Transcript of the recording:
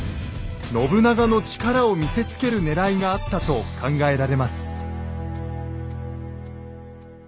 信長の力を見せつけるねらいがあったと考えられます。